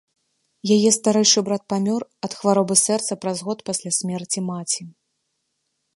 Яе старэйшы брат памёр ад хваробы сэрца праз год пасля смерці маці.